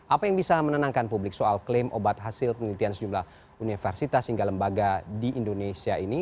apa yang bisa menenangkan publik soal klaim obat hasil penelitian sejumlah universitas hingga lembaga di indonesia ini